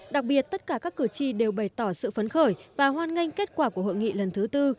đặc biệt tất cả các cử tri đều bày tỏ sự phấn khởi và hoan nghênh kết quả của hội nghị lần thứ tư